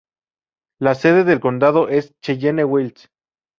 La sede del condado es Cheyenne Wells.